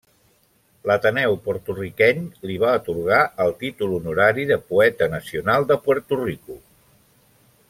L'Ateneu Porto-riqueny li va atorgar el títol honorari de poeta nacional de Puerto Rico.